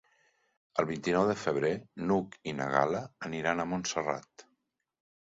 El vint-i-nou de febrer n'Hug i na Gal·la aniran a Montserrat.